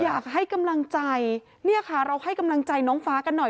อยากให้กำลังใจเนี่ยค่ะเราให้กำลังใจน้องฟ้ากันหน่อย